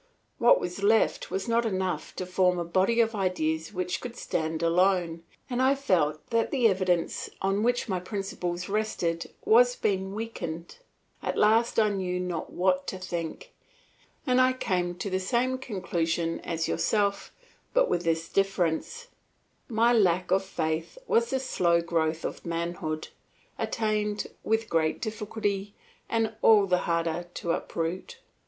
What was left was not enough to form a body of ideas which could stand alone, and I felt that the evidence on which my principles rested was being weakened; at last I knew not what to think, and I came to the same conclusion as yourself, but with this difference: My lack of faith was the slow growth of manhood, attained with great difficulty, and all the harder to uproot.